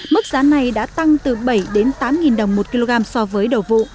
mức giá này đã tăng từ bảy tám đồng một kg so với đầu vụ